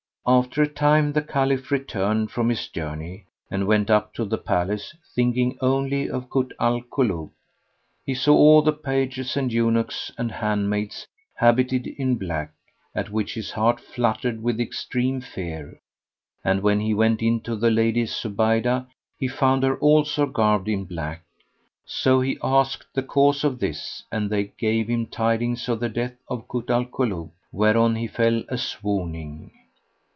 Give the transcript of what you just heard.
After a time the Caliph returned from his journey and went up to the palace, thinking only of Kut al Kulub. He saw all the pages and eunuchs and handmaids habited in black, at which his heart fluttered with extreme fear; and, when he went in to the Lady Zubaydah, he found her also garbed in black. So he asked the cause of this and they gave him tidings of the death of Kut al Kulub, whereon he fell a swooning.